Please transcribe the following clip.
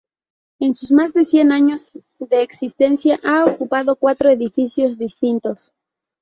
En sus más de cien años de existencia, ha ocupado cuatro edificios distintos.